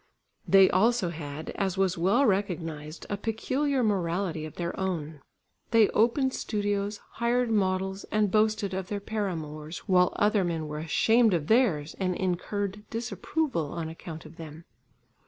They also had, as was well recognised, a peculiar morality of their own. They opened studios, hired models, and boasted of their paramours, while other men were ashamed of theirs and incurred disapproval on account of them.